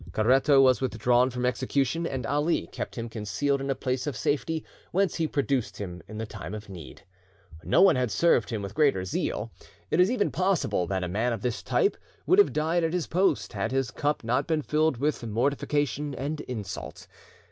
Caretto was withdrawn from execution, and Ali kept him concealed in a place of safety, whence he produced him in the time of need. No one had served him with greater zeal; it is even possible that a man of this type would have died at his post, had his cup not been filled with mortification and insult.